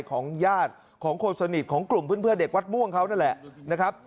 ของญาติของคนสนิทของกลุ่มเพื่อนเด็กวัดม่วงเขานั่นแหละนะครับ